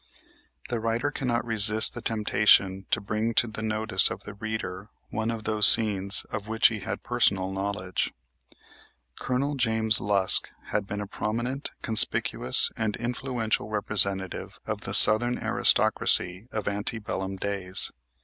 The writer cannot resist the temptation to bring to the notice of the reader one of those scenes of which he had personal knowledge. Colonel James Lusk had been a prominent, conspicuous and influential representative of the Southern aristocracy of ante bellum days.